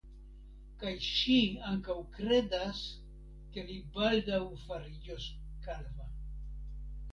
Kaj ŝi ankaŭ kredas, ke li baldaŭ fariĝos kalva.